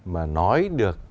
mà nói được